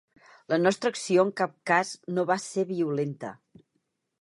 La nostra acció en cap cas no va ser violenta.